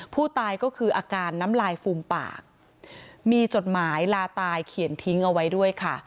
ผู้ตายก็คืออาการน้ำลายฟูมปากมีจดหมายลาตายเขียนทิ้งเอาไว้ด้วยค่ะ